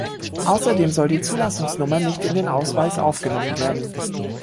Außerdem soll die Zulassungsnummer nicht in den Ausweis aufgenommen werden.